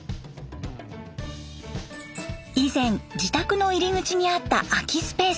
以前自宅の入り口にあった空きスペース。